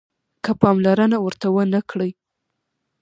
که پاملرنه ورته ونه کړئ